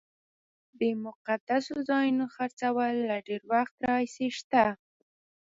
د مقدسو ځایونو خرڅول له ډېر وخت راهیسې شته.